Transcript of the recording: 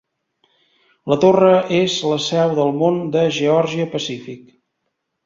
La torre és la seu del món de Geòrgia-Pacífic.